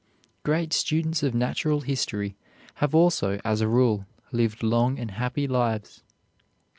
Great students of natural history have also, as a rule, lived long and happy lives.